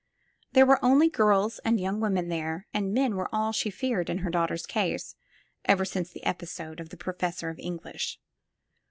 There were only girls and young women there, and men were all she feared in her daughter's case, ever since the episode of the professor of English.